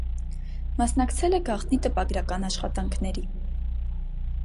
Մասնակցել է գաղտնի տպագրական աշխատանքների։